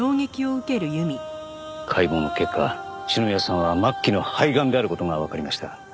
解剖の結果篠宮さんは末期の肺癌である事がわかりました。